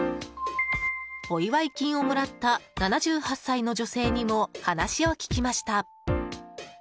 お祝い金をもらった７８歳の女性にも話を聞きました。